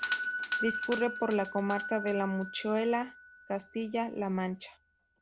Discurre por la comarca de la Manchuela, Castilla-La Mancha.